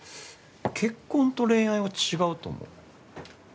結婚と恋愛は違うと思う。